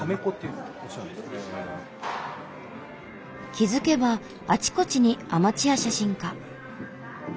気付けばあちこちにアマチュア写真家。